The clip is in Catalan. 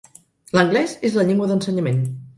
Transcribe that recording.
L'anglès és la llengua d'ensenyament.